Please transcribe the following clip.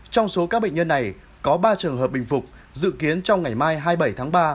trong số các bệnh nhân này có ba trường hợp bình phục dự kiến trong ngày mai hai mươi bảy tháng ba